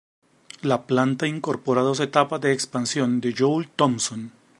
La planta incorpora dos etapas de expansión de Joule-Thompson.